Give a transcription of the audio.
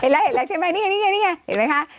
เห็นแล้วเห็นแล้วใช่ไหมนี่ไงนี่ไงนี่ไงเห็นไหมคะ